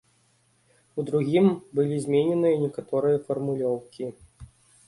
У другім былі змененыя некаторыя фармулёўкі.